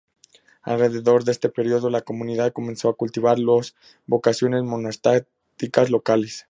Alrededor de este período, la comunidad comenzó a cultivar las vocaciones monásticas locales.